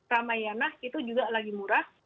ramayana itu juga lagi murah